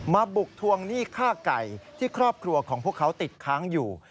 บุกทวงหนี้ค่าไก่ที่ครอบครัวของพวกเขาติดค้างอยู่